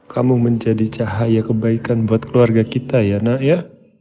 kamu menjadi cahaya kebaikan buat keluarga kita ya nak ya